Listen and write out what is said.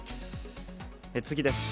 次です。